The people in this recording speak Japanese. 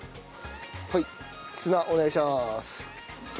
はい砂お願いします。